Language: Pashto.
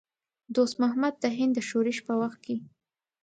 دوست محمد د هند د شورش په وخت کې.